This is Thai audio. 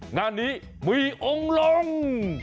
งานนี้มีองค์ลง